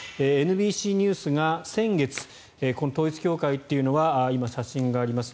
ＮＢＣニュースが先月この統一教会というのは今、写真があります。